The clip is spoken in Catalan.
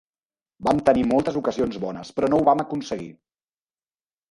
Vam tenir moltes ocasions bones però no ho vam aconseguir.